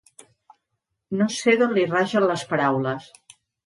No sé d'on li ragen les paraules.